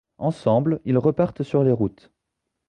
Ensemble, ils repartent sur les routes.